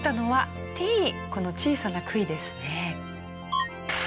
この小さな杭ですね。